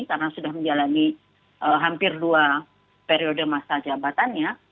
karena sudah menjalani hampir dua periode masa jabatannya